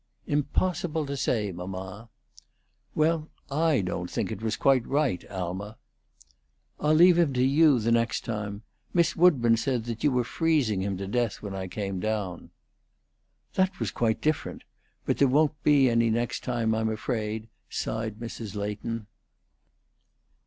"Impossible to say, mamma." "Well, I don't think it was quite right, Alma." "I'll leave him to you the next time. Miss Woodburn said you were freezing him to death when I came down." "That was quite different. But, there won't be any next time, I'm afraid," sighed Mrs. Leighton.